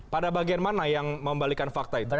pada bagian mana yang membalikan fakta itu